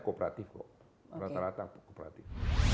dan daerahnya kooperatif kok rata rata kooperatif